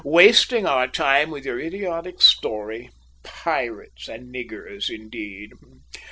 wasting our time with your idiotic story. Pirates and niggers, indeed!